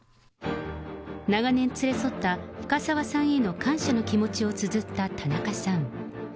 長年連れ添った深沢さんへの感謝の気持ちをつづった田中さん。